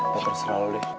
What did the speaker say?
terus serah lo deh